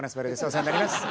お世話になります。